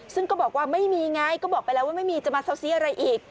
ซึ่งก็บอกว่าไม่มีไงก็บอกไปแล้วว่าไม่มีจะมาเซาซีอะไรอีก